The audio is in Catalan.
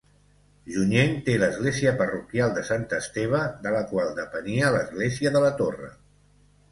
Junyent té l'església parroquial de Sant Esteve, de la qual depenia l'església de la Torre.